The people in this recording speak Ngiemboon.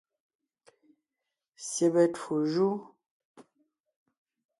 Syɛbɛ twó jú.